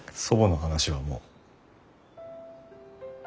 祖母の話はもう。